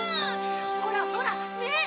ほらほらねっ！